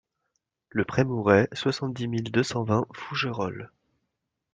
Le Prémourey, soixante-dix mille deux cent vingt Fougerolles